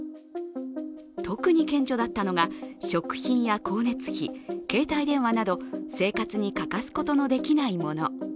特に顕著だったのが、食品や光熱費携帯電話など生活に欠かすことのできないもの。